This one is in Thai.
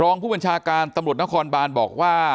รองผู้บัญชาการตำรวจนครบานบอกว่า